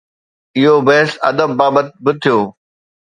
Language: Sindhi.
اهو بحث ادب بابت به ٿيو.